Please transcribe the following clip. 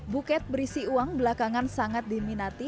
buket berisi uang belakangan sangat diminati